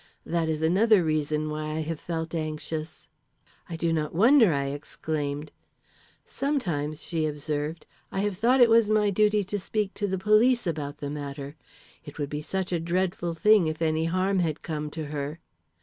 That is another reason why I have felt anxious." "I do not wonder," I exclaimed. "Sometimes," she observed, "I have thought it was my duty to speak to the police about the matter; it would be such a dreadful thing if any harm had come to her."